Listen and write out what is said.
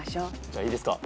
じゃあいいですか。